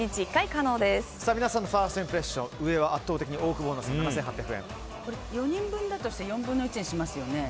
皆さんのファーストインプレッション上は圧倒的にオオクボーノさんの４人分だとして４分の１にしますよね。